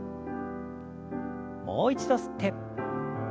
もう一度吸って。